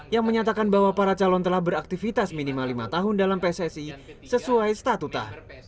yang menyatakan bahwa para calon telah beraktivitas minimal lima tahun dalam pssi sesuai statuta